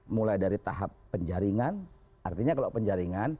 mulai dari tahap penjaringan artinya kalau penjaringan